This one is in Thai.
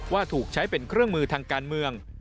ว่าถูกใช้เป็นเครื่องมือทางการเมือง